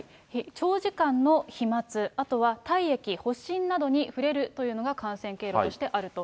長時間の飛まつ、あとは体液、発疹などに触れるというのが感染経路としてあると。